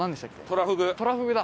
トラフグ。